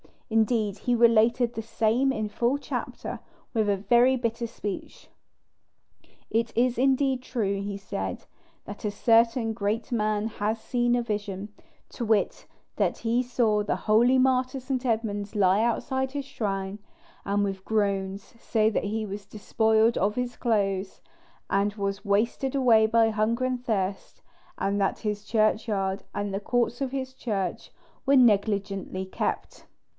Indeed, he related the same in full chapter, with a very bitter speech. "It is indeed true," he said, "that a certain great man has seen a vision, to wit, that he saw the holy martyr St. Edmund lie outside his shrine, and with groans say that he was despoiled of his clothes, and was wasted away by hunger and thirst; and that his churchyard and the courts of his church were negligently kept."